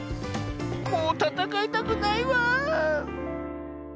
もうたたかいたくないワーン」。